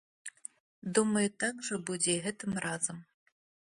Думаю, так жа будзе і гэтым разам.